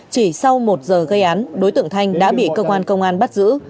chỉ sau một giờ gây án đối tượng thanh đã bị công an công an bắt giữ